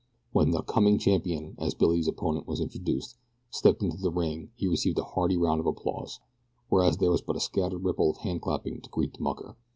When the "coming champion," as Billy's opponent was introduced, stepped into the ring he received a hearty round of applause, whereas there was but a scattered ripple of handclapping to greet the mucker.